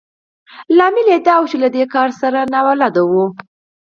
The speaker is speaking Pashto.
لامل يې دا و چې له دې کار سره نااشنا وو.